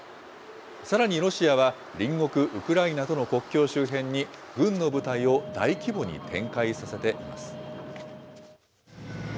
さらにロシアは隣国ウクライナとの国境周辺に軍の部隊を大規模に展開させています。